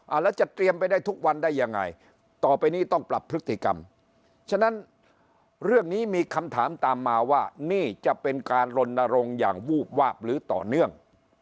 แล้วจะเตรียมไปได้ทุกวันได้ยังไงต่อไปนี้ต้องปรับพฤติกรรมฉะนั้นเรื่องนี้มีคำถามตามมาว่านี่จะเป็นการรณรงค์อย่างวูบวาบหรือต่อเนื่อง